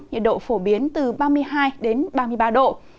nhiệt độ phổ biến từ ba mươi hai đến ba mươi ba độ